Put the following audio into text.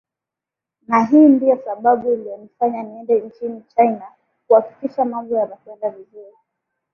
na hii ndiyo sababu iliyonifanya niende nchini china kuhakikisha mambo yanakwenda vizuri